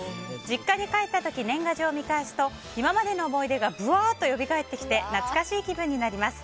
実家に帰った時年賀状を見返すと今までの思い出がぶわーっとよみがえってきて懐かしい気分になります。